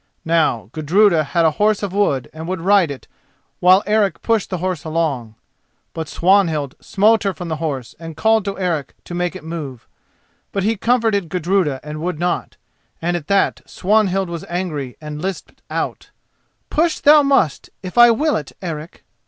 Now, Gudruda had a horse of wood and would ride it while Eric pushed the horse along. But Swanhild smote her from the horse and called to Eric to make it move; but he comforted Gudruda and would not, and at that Swanhild was angry and lisped out: "Push thou must, if I will it, Eric."